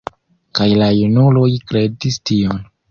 Kaj la junuloj kredis tion.